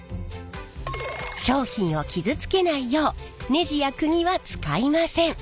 商品を傷つけないようネジやくぎは使いません。